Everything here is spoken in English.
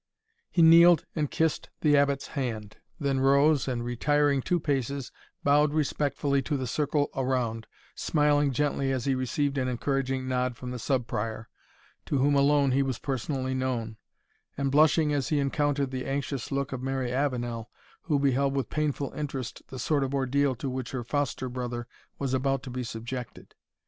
He kneeled and kissed the Abbot's hand, then rose, and retiring two paces, bowed respectfully to the circle around, smiling gently as he received an encouraging nod from the Sub Prior, to whom alone he was personally known, and blushing as he encountered the anxious look of Mary Avenel, who beheld with painful interest the sort of ordeal to which her foster brother was about to be subjected.